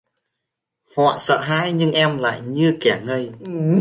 Họ sợ hãi nhưng em lại như kẻ ngây